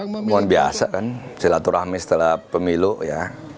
mohon biasa kan silaturahmi setelah pemilu ya